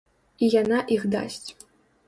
І яна іх дасць.